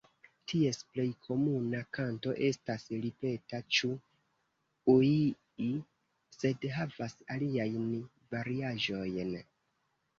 Ties plej komuna kanto estas ripeta "ĉu-ŭii" sed havas aliajn variaĵojn.